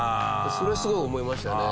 それすごい思いましたね。